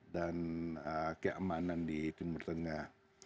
dan keamanan di timur tengah